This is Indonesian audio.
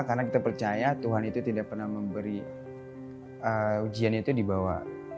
karena kita percaya tuhan itu tidak pernah memberi ujian itu di bawah